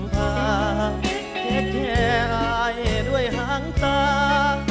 แค่แค่อายด้วยห้างตา